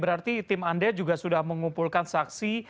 berarti tim anda juga sudah mengumpulkan saksi